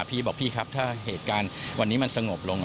พี่บอกพี่ครับถ้าเหตุการณ์วันนี้มันสงบลง